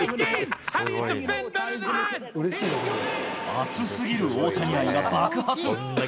熱すぎる大谷愛が爆発。